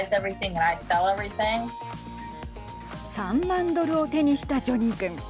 ３万ドルを手にしたジョニーくん。